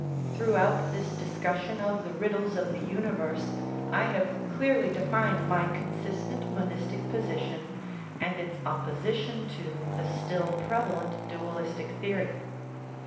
Throughout this discussion of the riddles of the uni verse I have clearly defined my consistent monistic position and its opposition to the still prevalent dual istic theory.